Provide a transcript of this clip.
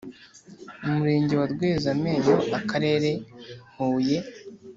Murenge wa Rwezamenyo Akarere huye